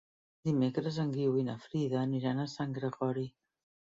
Dimecres en Guiu i na Frida aniran a Sant Gregori.